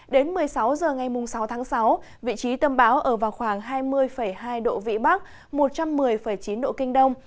đến một mươi sáu h ngày sáu tháng sáu vị trí tâm bão ở vào khoảng hai mươi hai độ vĩ bắc một trăm một mươi chín độ kinh đông